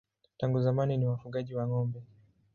Tangu zamani ni wafugaji wa ng'ombe.